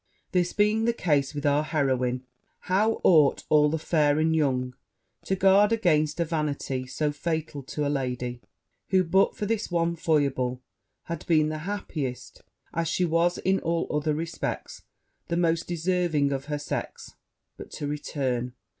This being the case with our heroine, how ought all the fair and young to guard against a vanity so fatal to a lady, who, but for that one foible, had been the happiest, as she was in all other respects the most deserving, of her sex! But to return.